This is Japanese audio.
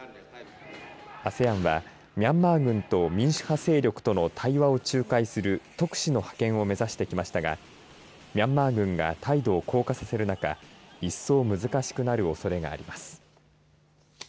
ＡＳＥＡＮは、ミャンマー軍と民主派勢力との対話を仲介する特使の派遣を目指してきましたがミャンマー軍が態度を硬化させる中一層難しくなるおそれがあります。